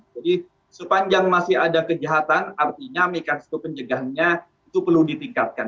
jadi sepanjang masih ada kejahatan artinya mekanisme pencegahannya itu perlu ditingkatkan